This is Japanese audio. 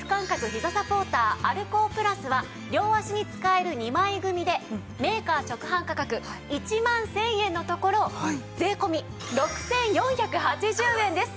ひざサポーターアルコープラスは両脚に使える２枚組でメーカー直販価格１万１０００円のところ税込６４８０円です。